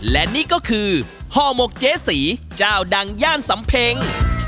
และนี่ก็คือฮอร์โมะเจ๋สิเจ้าดังย่านสัมเพ้ง